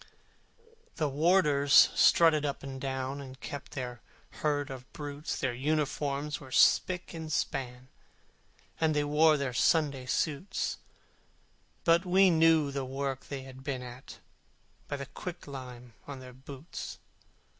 The warders strutted up and down, And watched their herd of brutes, Their uniforms were spick and span, And they wore their Sunday suits, But we knew the work they had been at, By the quicklime on their boots.